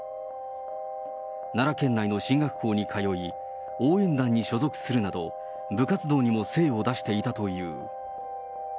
奈良県内の進学校に通い、応援団に所属するなど、部活動にも精を出していたという。